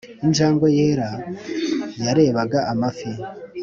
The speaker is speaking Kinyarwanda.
injangwe yera yarebaga amafi-;